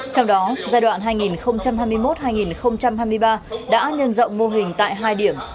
trong đó giai đoạn hai nghìn hai mươi một hai nghìn hai mươi ba đã nhân rộng mô hình tại hai điểm